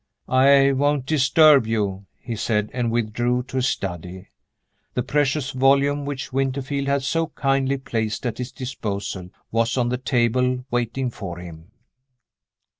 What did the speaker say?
"I won't disturb you," he said, and withdrew to his study. The precious volume which Winterfield had so kindly placed at his disposal was on the table, waiting for him.